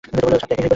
স্বাদ তো একই।